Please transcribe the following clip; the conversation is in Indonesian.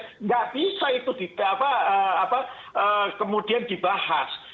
tidak bisa itu kemudian dibahas